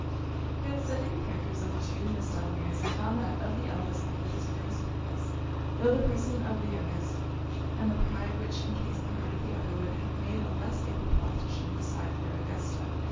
He had studied the characters of the two Miss Delameres, and found that of the eldest the fittest for his purpose; tho' the person of the youngest, and the pride which encased the heart of the other, would have made a less able politician decide for Augusta.